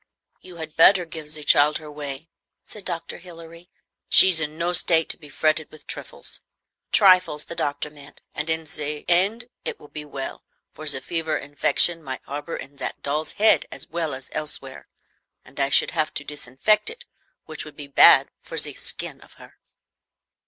"You had better give ze child her way," said Dr. Hilary. "She's in no state to be fretted with triffles [trifles, the doctor meant], and in ze end it will be well; for ze fever infection might harbor in zat doll's head as well as elsewhere, and I should have to disinfect it, which would be bad for ze skin of her."